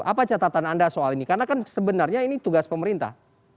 apa catatan anda soal ini karena kan sebenarnya ini tugas pemerintah